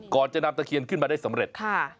ก่อนจะนำตะเคียนขึ้นมาได้สำเร็จ